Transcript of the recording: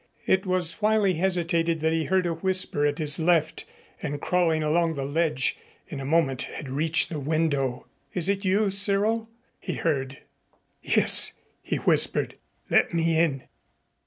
It was while he hesitated that he heard a whisper at his left, and crawling along the ledge, in a moment had reached the window. "Is it you, Cyril?" he heard. "Yes," he whispered. "Let me in."